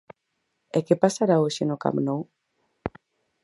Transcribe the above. E que pasará hoxe no Camp Nou?